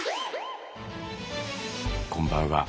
こんばんは。